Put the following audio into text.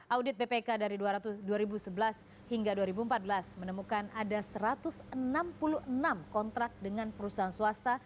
audit bpk dari dua ribu sebelas hingga dua ribu empat belas menemukan ada satu ratus enam puluh enam kontrak dengan perusahaan swasta